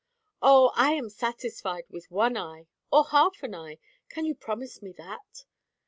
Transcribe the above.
"Oh I am satisfied with one eye, or half an eye. Can you promise me that?"